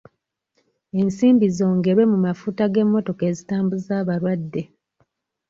Ensimbi zongerwe mu mafuta g'emmotoka ezitambuza abalwadde.